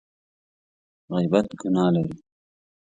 غیبت ګناه لري !